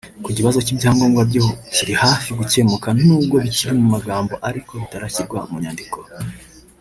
Ku kibazo cy’ibyangobwa byo kiri hafi gukemuka nubwo bikiri mu magambo ariko bitarashyirwa mu nyandiko